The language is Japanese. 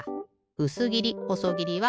うすぎりほそぎりは